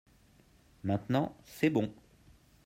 maintenant c'est bon.